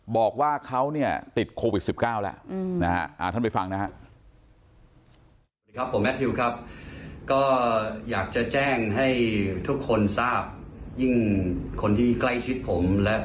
บอกว่าเขาติดโควิด๑๙แล้วอาทันไปฟังนะ